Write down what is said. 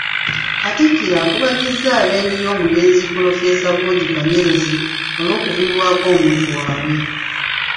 Katikkiro akubagizza ab'enju y'omugenzi Pulofeesa Bwogi Kanyerezi olw'okuviibwako omuntu waabwe.